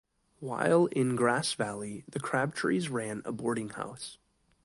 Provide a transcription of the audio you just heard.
While in Grass Valley, the Crabtree's ran a boarding house.